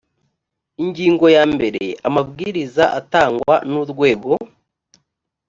ingingo ya mbere amabwiriza atangwa n urwego